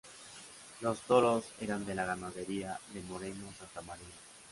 Los toros eran de la ganadería de Moreno Santamaría.